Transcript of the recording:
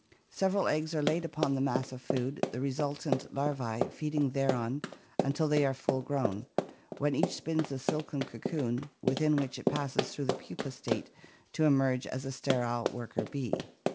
Several eggs are laid upon the mass of food, the re sultant larvae feeding thereon until they are full grown, when each spins a silken cocoon within which it passes through the pupa state to emerge as a sterile worker bee.